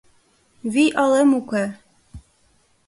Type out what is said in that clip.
— Вий-алем уке.